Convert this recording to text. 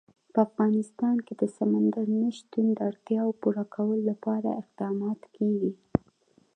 په افغانستان کې د سمندر نه شتون د اړتیاوو پوره کولو لپاره اقدامات کېږي.